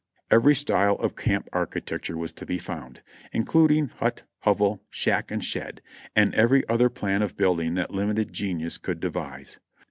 Every style of camp architecture was to be found, including hut, hovel, shack and shed, and every other plan of building that limited genius could devise.